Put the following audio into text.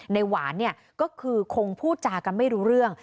หวานเนี่ยก็คือคงพูดจากันไม่รู้เรื่อง